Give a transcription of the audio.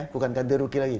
bukan ganti rugi lagi